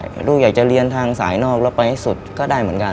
ลูกอยากจะเรียนทางสายนอกแล้วไปให้สุดก็ได้เหมือนกัน